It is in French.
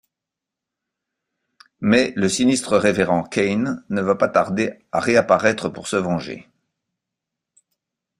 Mais le sinistre révérend Kane ne va pas tarder à réapparaître pour se venger.